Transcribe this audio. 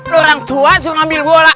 lu orang tua suruh ngambil bola